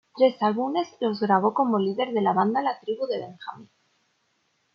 Tres álbumes los grabó como líder de la banda 'La Tribu de Benjamín'.